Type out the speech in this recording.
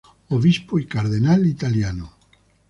Obispo y cardenal italiano.